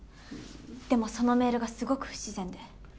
でもそのメールがすごく不自然で。